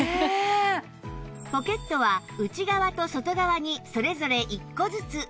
ポケットは内側と外側にそれぞれ１個ずつ